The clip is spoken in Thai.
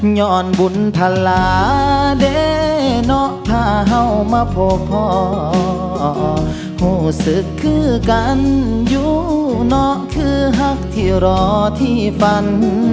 ย่อนบุญพลาเดนอพาเห่ามาพบพอหูศึกคือกันอยู่นอคือหักที่รอที่ฝัน